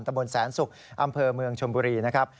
ตำรวจแสนสุกอำเภอเมืองชมบุรีนะครับ